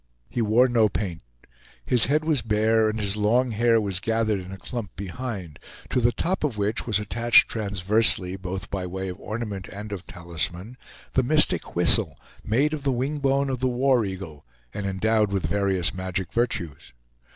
He wore no paint; his head was bare; and his long hair was gathered in a clump behind, to the top of which was attached transversely, both by way of ornament and of talisman, the mystic whistle, made of the wingbone of the war eagle, and endowed with various magic virtues.